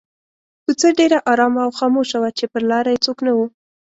کوڅه ډېره آرامه او خاموشه وه چې پر لاره یې څوک نه وو.